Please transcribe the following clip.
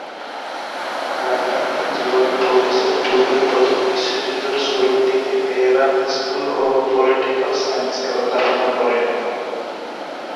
রাজনৈতিক জীবনে প্রবেশের পূর্বে প্রথম বিশ্বযুদ্ধের শুরুর দিকে তেহরান স্কুল অব পলিটিক্যাল সায়েন্সে অধ্যাপনা করেন।